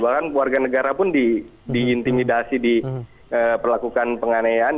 bahkan warga negara pun di intimidasi diperlakukan penganeian